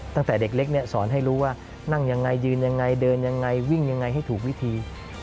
ตั้งแต่เด็กเล็กสอนให้รู้ว่านั่งอย่างไรยืนอย่างไรเดินอย่างไรวิ่งอย่างไรให้ถูกวิธี